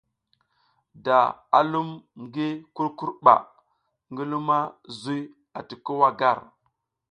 Da a lum gi kurkur mba ngi luma zuy ati ko wa gar.